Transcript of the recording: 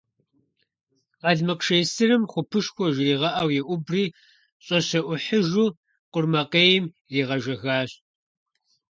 Къэлмыкъ шей сырым «хъупышхуэ» жригъэӀэу еӀубри, щӀэщэӀухьыжу къурмэкъейм иригъэжэхащ.